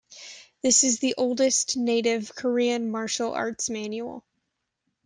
This is the oldest native Korean martial arts manual.